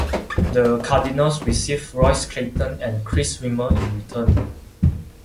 The Cardinals received Royce Clayton and Chris Wimmer in return.